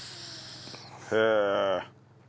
へえ。